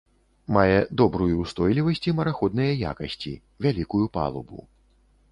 Мае добрую ўстойлівасць і мараходныя якасці, вялікую палубу.